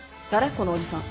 このおじさん。